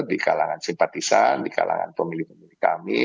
di kalangan simpatisan di kalangan pemilih pemilih kami